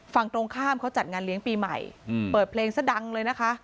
ฝั่งตรงข้ามเขาจัดงานเลี้ยงปีใหม่เปิดเพลงซะดังเลยนะคะ